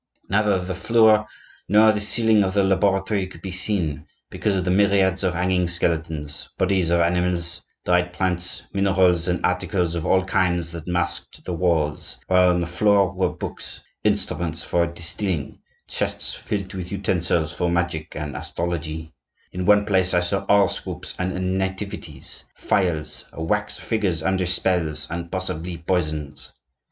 Neither the floor nor the ceiling of the laboratory could be seen, because of the myriads of hanging skeletons, bodies of animals, dried plants, minerals, and articles of all kinds that masked the walls; while on the floor were books, instruments for distilling, chests filled with utensils for magic and astrology; in one place I saw horoscopes and nativities, phials, wax figures under spells, and possibly poisons.